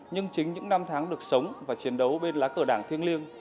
nhưng chính những năm tháng được sống và chiến đấu bên lá cửa đảng thiên liêng